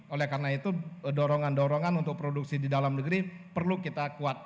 oleh karena itu dorongan dorongan untuk produksi di dalam negeri perlu kita kuat